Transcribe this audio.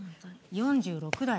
４６だよ。